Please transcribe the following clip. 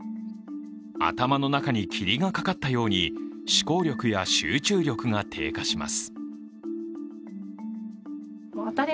頭の中に霧がかかったように思考力や集中力が低下します。